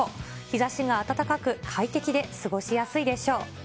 日ざしが暖かく、快適で過ごしやすいでしょう。